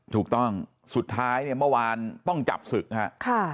ถูกต้องสุดท้ายเนี่ยเมื่อวานต้องจับศึกฮะ